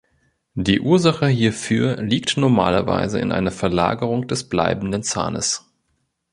Die Ursache hierfür liegt normalerweise in einer Verlagerung des bleibenden Zahnes.